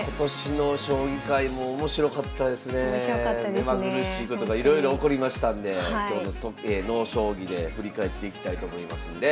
目まぐるしいことがいろいろ起こりましたんで今日の「ＮＯ将棋」で振り返っていきたいと思いますんで。